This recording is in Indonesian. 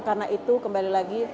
karena itu kembali lagi